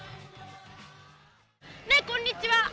ねえこんにちは。